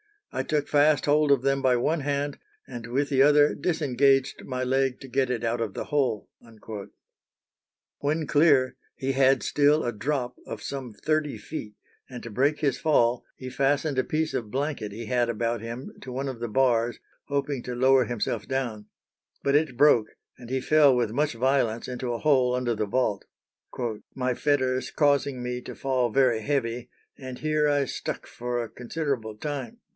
I took fast hold of them by one hand, and with the other disengaged my leg to get it out of the hole." When clear he had still a drop of some thirty feet, and to break his fall he fastened a piece of blanket he had about him to one of the bars, hoping to lower himself down; but it broke, and he fell with much violence into a hole under the vault, "my fetters causing me to fall very heavy, and here I stuck for a considerable time."